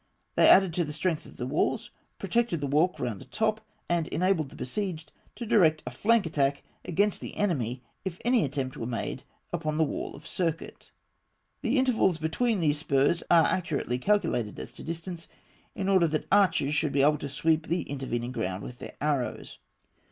They added to the strength of the walls, protected the walk round the top, and enabled the besieged to direct a flank attack against the enemy if any attempt were made upon the wall of circuit. The intervals between these spurs are accurately calculated as to distance, in order that the archers should be able to sweep the intervening ground with their arrows.